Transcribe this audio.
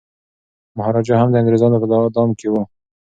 مهاراجا هم د انګریزانو په دام کي و.